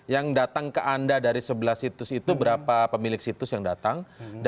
yang datang ke anda dari sebelas situs itu berapa pemilik situs yang datang